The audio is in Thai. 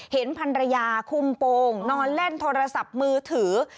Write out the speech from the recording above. เห็นพันรยาคุมโปรงนอนเล่นโทรศัพท์มือถือ